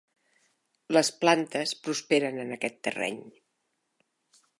Les plantes prosperen en aquest terreny.